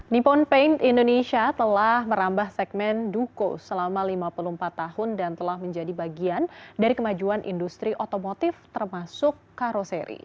nippon paint indonesia telah merambah segmen duko selama lima puluh empat tahun dan telah menjadi bagian dari kemajuan industri otomotif termasuk karoseri